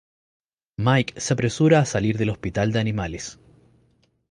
Mike se apresura a salir al hospital de animales.